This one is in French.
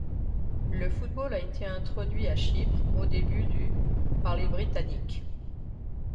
Le football a été introduit à Chypre au début du par les Britanniques.